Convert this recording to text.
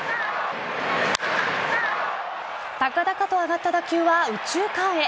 高々と上がった打球は右中間へ。